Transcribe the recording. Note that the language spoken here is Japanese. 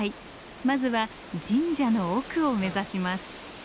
まずは神社の奥を目指します。